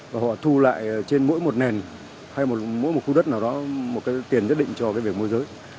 và họ thu lại trên mỗi một nền hay mỗi một khu đất nào đó một tiền nhất định cho việc môi giới